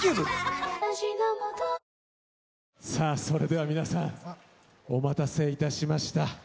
さあそれでは皆さんお待たせいたしました。